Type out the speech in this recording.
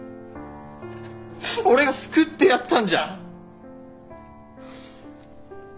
俺が救ってやったんじゃん！